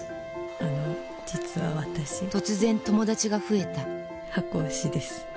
あの実は私突然友達が増えた箱推しです。